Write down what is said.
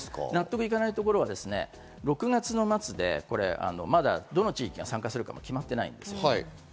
納得いかないところは６月の末でまだどの地域が参加するかも決まっていない。